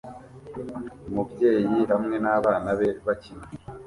Umubyeyi hamwe nabana be bakina